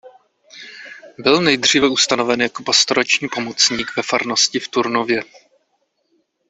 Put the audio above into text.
Byl nejdříve ustanoven jako pastorační pomocník ve farnosti v Turnově.